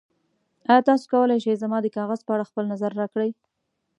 ایا تاسو کولی شئ زما د کاغذ په اړه خپل نظر راکړئ؟